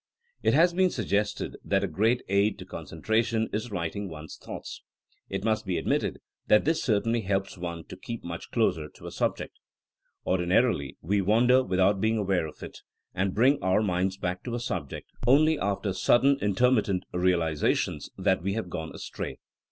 It has been suggested that a great aid to con centration is writing one's thoughts. It must be admitted that this certainly helps one to keep much closer to a subject. Ordinarily we wan der without being aware of it, and bring our minds back to ^ subject only after sudden inter mittent realizations that we have gone astray.